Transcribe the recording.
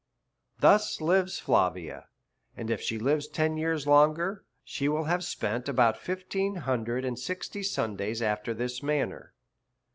Thus lives Flavia ; and if she lives ten years longer, she will have spent about fifteen hundred and sixty Sundays after this manner.